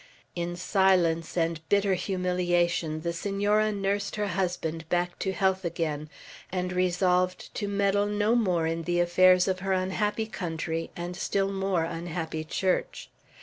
In silence and bitter humiliation the Senora nursed her husband back to health again, and resolved to meddle no more in the affairs of her unhappy country and still more unhappy Church.